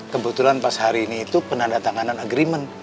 kebetulan pas hari ini itu penandatangan dan agreement